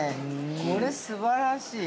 これ、すばらしい。